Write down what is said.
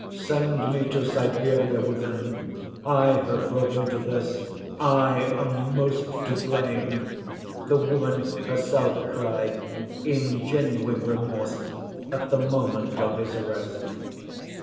'Send me to Siberia with him, I have brought him to this, I am most to blame,' the woman herself cried, in genuine remorse at the moment of his arrest.